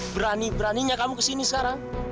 berani beraninya kamu ke sini sekarang